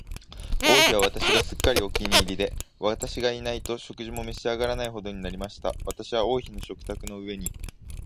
王妃は私がすっかりお気に入りで、私がいないと食事も召し上らないほどになりました。私は王妃の食卓の上に、